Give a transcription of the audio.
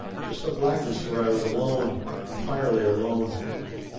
Just a blackness where I was alone entirely alone.